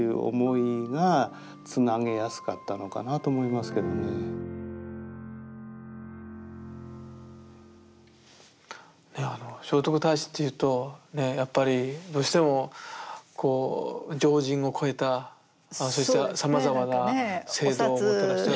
ですからほんとに聖徳太子っていうとやっぱりどうしてもこう常人を超えたそうしたさまざまな制度をもたらした。